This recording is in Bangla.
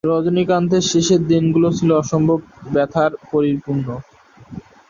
রজনীকান্তের শেষ দিনগুলো ছিল অসম্ভব ব্যথায় পরিপূর্ণ।